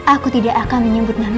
aku tidak akan menyebut nama